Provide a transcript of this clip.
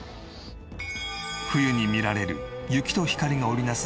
冬に見られる雪と光が織り成す